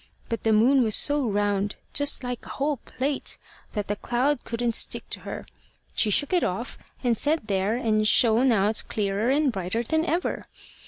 But the moon was so round, just like a whole plate, that the cloud couldn't stick to her. She shook it off, and said there and shone out clearer and brighter than ever.